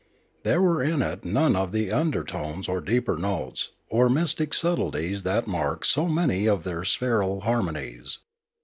There were in it none of the undertones, or deeper notes, or mystic subtleties that marked so many of their spheral harmonies.